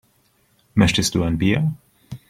Möchtest du ein Bier?